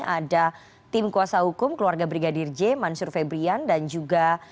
ada tim kuasa hukum keluarga brigadir j mansur febrian dan juga